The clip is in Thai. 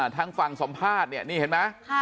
ทางฝั่งสำภาษณ์เนี่ย